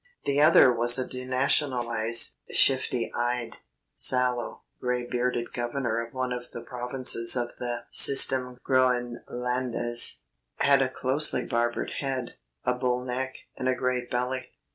The other was a denationalised, shifty eyed, sallow, grey bearded governor of one of the provinces of the Système Groënlandais; had a closely barbered head, a bull neck, and a great belly.